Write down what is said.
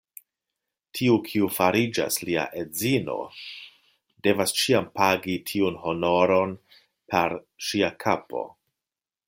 Tiu, kiu fariĝas lia edzino, devas ĉiam pagi tiun honoron per ŝia kapo.